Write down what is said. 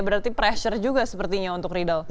berarti pressure juga sepertinya untuk riddle